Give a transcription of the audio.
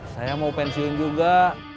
saya mau pensiun juga